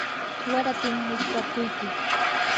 waratim musparquyki.